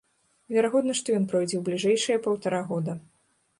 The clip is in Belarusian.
Верагодна, што ён пройдзе ў бліжэйшыя паўтара года.